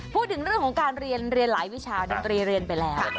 พูดถึงเรื่องของการเรียนหลายวิชาดนตรีเรียนไปแล้ว